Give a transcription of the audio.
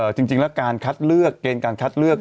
จริงแล้วการคัดเลือกเกณฑ์การคัดเลือก